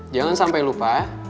jangan sampai lupa